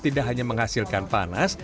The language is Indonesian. tidak hanya menghasilkan panas